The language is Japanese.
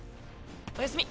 おやすみ。